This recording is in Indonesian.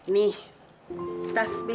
nih tas bi